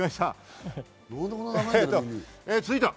続いては？